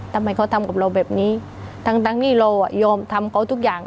ทำไมเขาทำกับเราแบบนี้ทั้งทั้งที่เราอ่ะยอมทำเขาทุกอย่าง